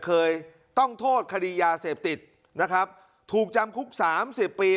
เคยต้องโทษคดียาเสพติดนะครับถูกจำคุกสามสิบปี